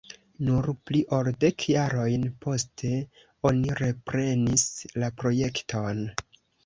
Nur pli ol dek jarojn poste oni reprenis la projekton.